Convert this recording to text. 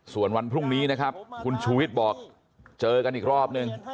ส่วนวันพรุ่งนี้นะครับคุณชูวิทย์บอกเจอกันอีกรอบนึง